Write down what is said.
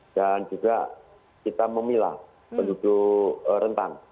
dan juga kita memilah penduduk rentang